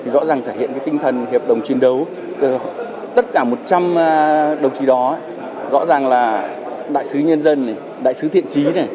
rõ ràng thể hiện tinh thần hiệp đồng chiến đấu tất cả một trăm linh đồng chí đó rõ ràng là đại sứ nhân dân này đại sứ thiện trí này